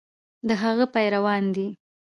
د هغه پیروان دي.